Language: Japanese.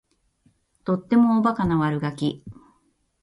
とってもおバカな悪ガキ